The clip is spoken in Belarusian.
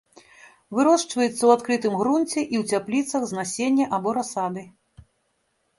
Вырошчваецца ў адкрытым грунце і ў цяпліцах з насення або расады.